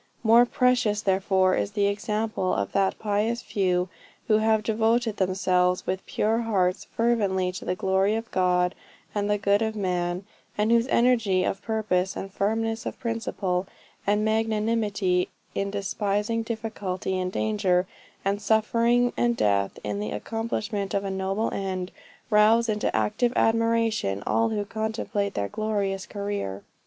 More precious therefore, is the example of that pious few who have devoted themselves with pure hearts fervently, to the glory of God, and the good of man, and whose energy of purpose, and firmness of principle, and magnanimity in despising difficulty and danger, and suffering and death, in the accomplishment of a noble end, rouse into active admiration all who contemplate their glorious career."